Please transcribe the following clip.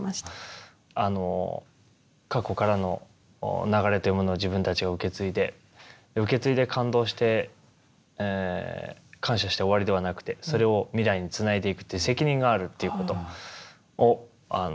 あの過去からの流れというものを自分たちが受け継いで受け継いで感動して感謝して終わりではなくてそれを未来につないでいくっていう責任があるっていうことを。